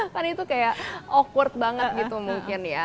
kan itu kayak awkward banget gitu mungkin ya